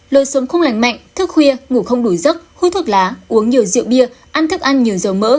lối sống không lành mạnh thức khuya ngủ không đủ giấc hút thuốc lá uống nhiều rượu bia ăn thức ăn nhiều dầu mỡ